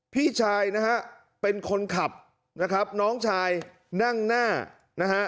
พี่ชายนะฮะเป็นคนขับนะครับน้องชายนั่งหน้านะฮะ